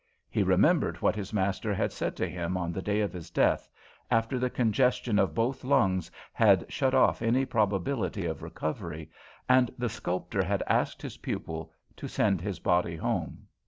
He remembered what his master had said to him on the day of his death, after the congestion of both lungs had shut off any probability of recovery, and the sculptor had asked his pupil to send his body home.